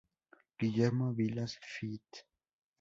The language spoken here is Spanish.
Guillermo Vilas feat.